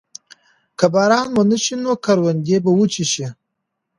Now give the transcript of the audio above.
که باران ونه شي نو کروندې به وچې شي.